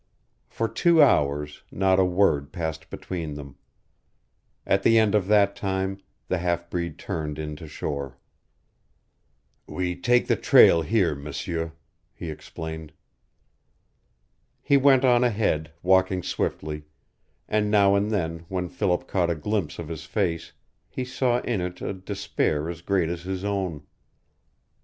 For two hours not a word passed between them. At the end of that time the half breed turned in to shore. "We take the trail here, M'sieur," he explained. He went on ahead, walking swiftly, and now and then when Philip caught a glimpse of his face he saw in it a despair as great as his own.